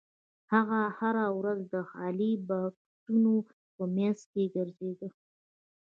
هغه هره ورځ د خالي بکسونو په مینځ کې ګرځیده